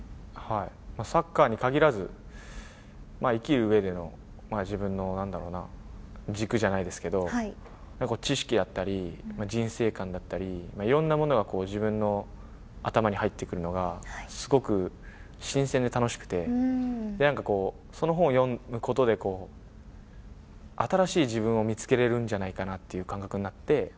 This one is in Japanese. サッカーに限らず、生きるうえでの自分の、なんだろうな、軸じゃないですけど、知識だったり、人生観だったり、いろんなものが自分の頭に入ってくるのが、すごく新鮮で楽しくて、なんかこう、その本読むことで、新しい自分を見つけれるんじゃないかという感覚になって。